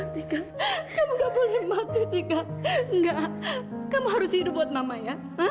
tika kamu gak boleh mati tika enggak kamu harus hidup buat mama ya